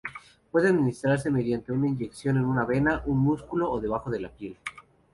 Puede administrarse mediante inyección en una vena, un músculo o debajo de la piel.